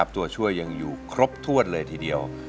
ตัวช่วยยังอยู่ครบถ้วนเลยทีเดียว